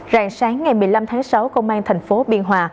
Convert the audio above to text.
rạng sáng ngày một mươi năm tháng sáu công an thành phố biên hòa